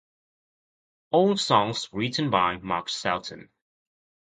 All songs written by Mark Shelton.